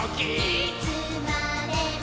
「いつまでも」